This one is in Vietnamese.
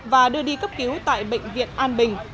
và đưa đi cấp cứu tại bệnh viện an bình